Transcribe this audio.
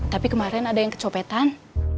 tapi kemarin ada yang kecopetan